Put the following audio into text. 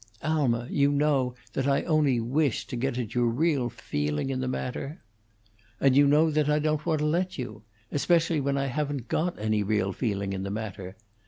"Alma, you know that I only wish to get at your real feeling in the matter." "And you know that I don't want to let you especially when I haven't got any real feeling in the matter.